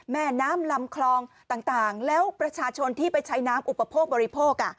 แม่น้ำลำคลองต่างแล้วประชาชนที่ไปใช้น้ำอุปโภคบริโภค